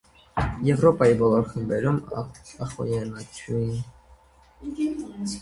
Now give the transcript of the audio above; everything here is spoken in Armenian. Եւրոպայի բոլոր խումբերու ախոյեանութիւն։